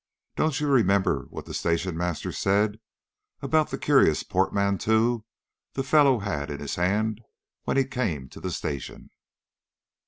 Don't you remember what the station master said about the curious portmanteau the fellow had in his hand when he came to the station?"